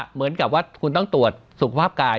เหมือนกับว่าคุณต้องตรวจสุขภาพกาย